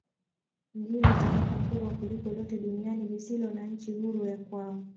Ndilo taifa kubwa kuliko lote duniani lisilo na nchi huru ya kwao.